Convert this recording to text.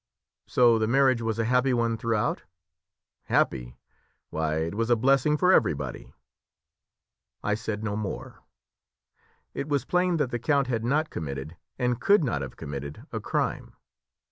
"So the marriage was a happy one throughout?" "Happy! why it was a blessing for everybody." I said no more. It was plain that the count had not committed, and could not have committed, a crime.